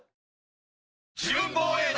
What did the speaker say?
自分防衛団！